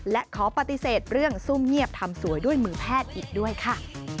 และขอปฏิเสธเรื่องซุ่มเงียบทำสวยด้วยมือแพทย์อีกด้วยค่ะ